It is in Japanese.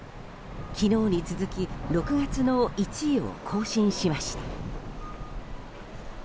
昨日に続き６月の１位を更新しました。